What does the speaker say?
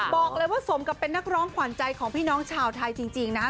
บอกเลยว่าสมกับเป็นนักร้องขวัญใจของพี่น้องชาวไทยจริงนะฮะ